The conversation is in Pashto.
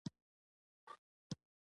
علم هغه شتمني ده چې غلا کیدی نشي.